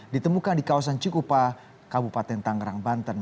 ditemukan di kawasan cikupa kabupaten tangerang banten